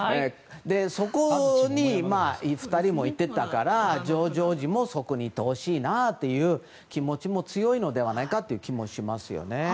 そこに２人も行ってたからジョージ王子もそこに行ってほしいなという気持ちも強いのではないかという気もしますよね。